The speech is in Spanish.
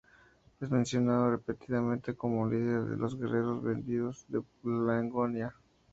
Es mencionado repetidamente como líder de los guerreros venidos de Paflagonia.